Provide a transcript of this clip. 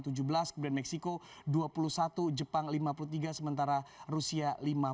kemudian meksiko dua puluh satu jepang lima puluh tiga sementara rusia lima puluh enam